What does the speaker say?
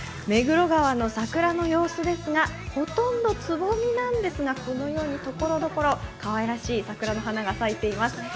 目黒川の桜の様子ですが、ほとんどつぼみなんですが、このようにところどころ、かわいらしい桜の花が咲いています